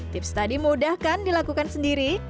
tips tadi mudah kan dilakukan sendiri